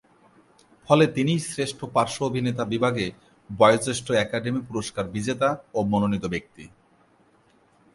ফলে তিনিই শ্রেষ্ঠ পার্শ্ব অভিনেতা বিভাগে বয়োজ্যেষ্ঠ একাডেমি পুরস্কার বিজেতা ও মনোনীত ব্যক্তি।